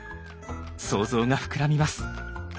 想像が膨らみます。